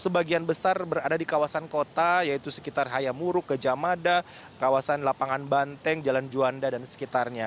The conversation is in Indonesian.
sebagian besar berada di kawasan kota yaitu sekitar hayamuruk gejamada kawasan lapangan banteng jalan juanda dan sekitarnya